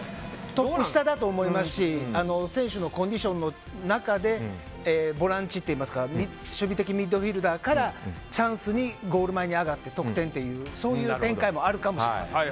トップ下だと思いますし選手のコンディションの中でボランチといいますか守備的ミッドフィールダーからチャンスにゴール前に上がって得点というそういう展開もあるかもしれません。